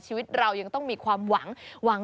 ชีวิตเรายังต้องมีความหวัง